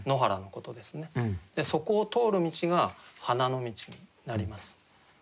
そこを通る道が花野道になります。